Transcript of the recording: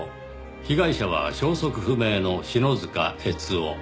被害者は消息不明の篠塚悦雄。